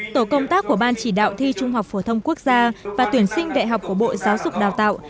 tổ công tác của ban chỉ đạo thi trung học phổ thông quốc gia và tuyển sinh đại học của bộ giáo dục đào tạo